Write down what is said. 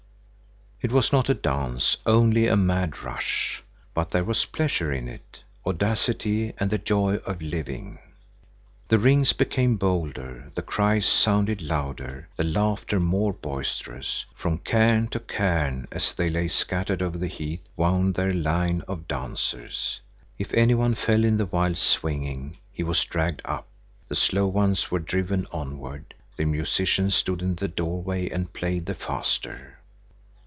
It was not a dance, only a mad rush; but there was pleasure in it, audacity and the joy of living. The rings became bolder, the cries sounded louder, the laughter more boisterous. From cairn to cairn, as they lay scattered over the heath, wound the line of dancers. If any one fell in the wild swinging, he was dragged up, the slow ones were driven onward; the musicians stood in the doorway and played the faster.